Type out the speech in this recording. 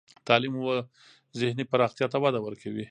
تعلیم و ذهني پراختیا ته وده ورکوي.